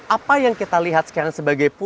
apa yang kita lihat sekarang sebagai